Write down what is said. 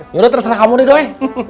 yaudah terserah kamu deh doi